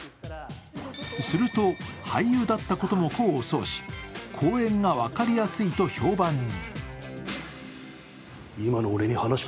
すると、俳優だったことも功を奏し、講演が分かりやすいと評判に。